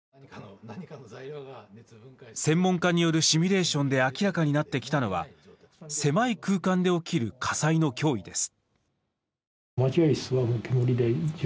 専門家によるシミュレーションで明らかになってきたのは狭い空間で起きる火災の脅威です。